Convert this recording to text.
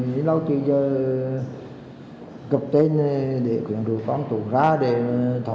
với nội dung tuyên truyền cực đoan phản khoa học như chỉ sống cho riêng mình